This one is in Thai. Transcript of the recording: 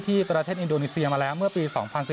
ประเทศอินโดนีเซียมาแล้วเมื่อปี๒๐๑๙